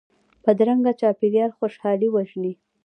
بدرنګه چاپېریال خوشحالي وژني